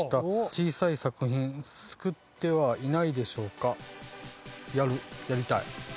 小さい作品は作ってはいないでしょうか？やる、やりたい。